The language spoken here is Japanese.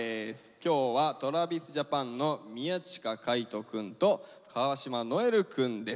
今日はＴｒａｖｉｓＪａｐａｎの宮近海斗くんと川島如恵留くんです。